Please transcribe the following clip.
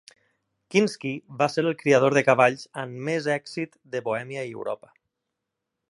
Kinsky va ser el criador de cavalls amb més èxit de Bohèmia i Europa.